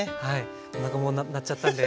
おなかも鳴っちゃったんで。